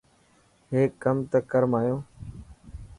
هيڪ ڪم ته ڪر مايون.